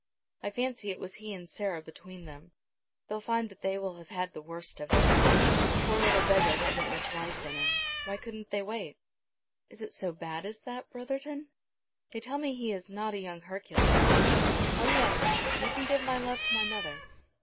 I fancy it was he and Sarah between them. They'll find that they will have had the worst of it. The poor little beggar hadn't much life in him. Why couldn't they wait?" "Is it so bad as that, Brotherton?" "They tell me he is not a young Hercules. Oh yes; you can give my love to my mother.